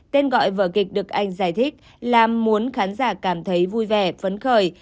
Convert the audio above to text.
tên gọi vở kịch được anh giải thích là muốn khán giả cảm thấy vui vẻ phấn khởi